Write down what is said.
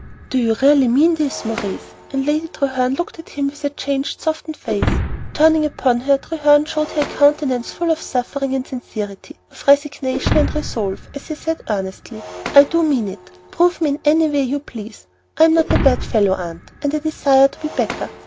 "Do you really mean this, Maurice?" And Lady Treherne looked at him with a changed and softened face. Turning upon her, Treherne showed her a countenance full of suffering and sincerity, of resignation and resolve, as he said earnestly, "I do mean it; prove me in any way you please. I am not a bad fellow, Aunt, and I desire to be better.